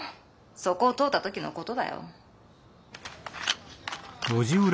そこを通った時の事だよ。